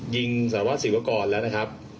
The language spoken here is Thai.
ยิงสวัสดิ์ศิวากรแล้วนะครับ